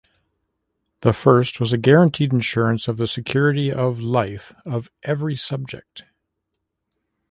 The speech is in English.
The first was a guaranteed insurance of the security of life of every subject.